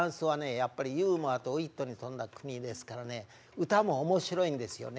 やっぱりユーモアとウイットに富んだ国ですからね歌も面白いんですよね。